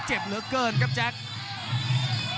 กรรมการเตือนทั้งคู่ครับ๖๖กิโลกรัม